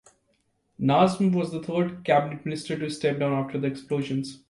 Najm was the third cabinet minister to step down after the explosions.